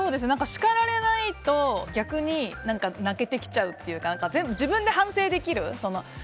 叱られないと逆に泣けてきちゃうというか全部、自分で反省できる。